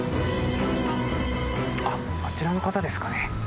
あっあちらの方ですかね。